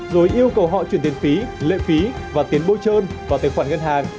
rồi yêu cầu họ chuyển tiền phí lệ phí và tiền bôi trơn vào tài khoản ngân hàng